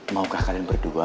maukah kalian berdua